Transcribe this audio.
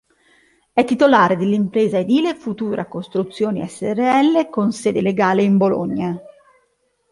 È titolare dell'impresa edile "Futura Costruzioni srl", con sede legale in Bologna.